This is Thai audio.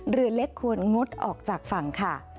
เรือเล็กควรงดออกจากฝั่งค่ะ